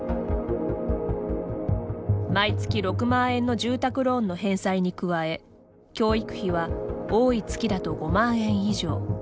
毎月６万円の住宅ローンの返済に加え教育費は多い月だと５万円以上。